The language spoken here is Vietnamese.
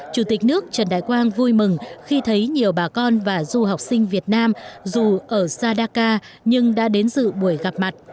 chủ tịch nước trần đại quang vui mừng khi thấy nhiều bà con và du học sinh việt nam dù ở sadaka nhưng đã đến dự buổi gặp mặt